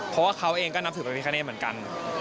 เพราะว่าเขาเองก็นับถือพระพิคเนธเหมือนกัน